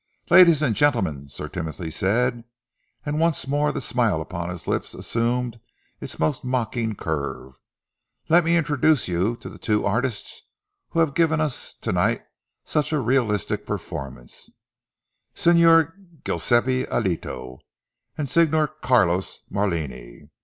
"Ladies and gentlemen," Sir Timothy said, and once more the smile upon his lips assumed its most mocking curve, "let me introduce you to the two artists who have given us to night such a realistic performance, Signor Guiseppe Elito and Signor Carlos Marlini.